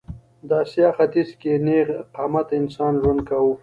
د اسیا ختیځ کې نېغ قامته انسان ژوند کاوه.